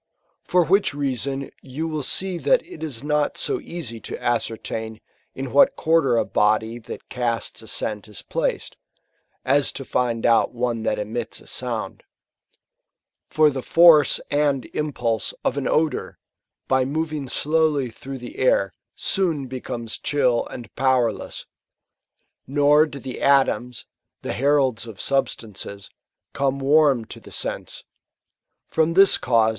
For which reason you will see that it is not so easy to ascertain in what quarter a body that casts a scent is placed, as to^ndoutane that emits a sound. For the force and impulse of an odour, by moving slowly through the air, soon becomes chill and powerless ; nor do <Atf * The keen scent of dogs, preceding t?ieir steps, leads them,'] Ver.